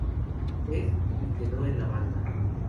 Ed y quedó en la banda.